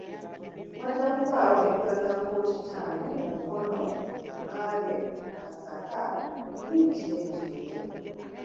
Wajja kubaawo entuula za kkooti ttaano mu Mukono, Mbale, Masaka, Mpigi ne Jinja.